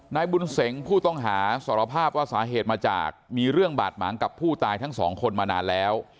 นายบุญเสงผู้ต้องหาสารภาพว่าสาเหตุมาจากมีเรื่องบาดหมางกับผู้ตายทั้งสองคนมานานแล้ว